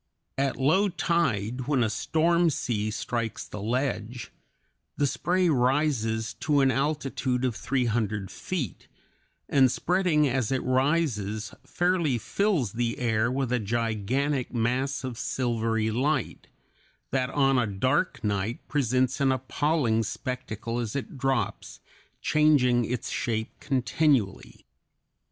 At low tide, when a storm sea strikes the ledge, the spray rises to an altitude of three hundred feet, and spreading as it rises, fairly fills the air with a gigantic mass of silvery light, that on a dark night presents an appalling spectacle as it drops, changing its shape continually.